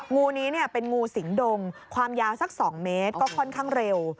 งูนี้เป็นงูสิงดงความยาวสัก๒เมตรก็ค่อนข้างเร็ว